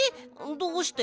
どうして？